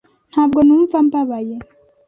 Ntabwo numva mbabaye .